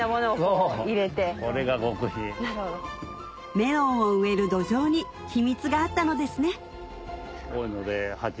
メロンを植える土壌に秘密があったのですねうわ